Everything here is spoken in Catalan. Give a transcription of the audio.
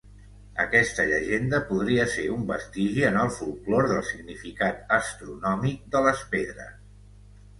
Aquesta llegenda podria ser un vestigi en el folklore del significat astronòmic de les pedres.